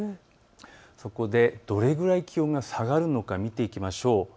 そこでどれくらい気温が下がるのか見ていきましょう。